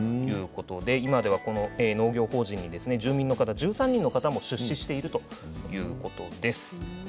今では農業法人に住民１３人も出資しているということです。